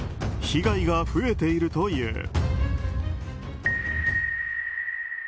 被害が増えているという。